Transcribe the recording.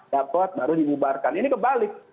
dapat baru dibubarkan ini kebalik